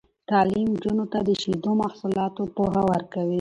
تعلیم نجونو ته د شیدو محصولاتو پوهه ورکوي.